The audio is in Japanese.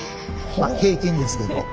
まあ平均ですけど。